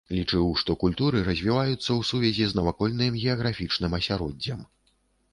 Лічыў, што культуры развіваюцца ў сувязі з навакольным геаграфічным асяроддзем.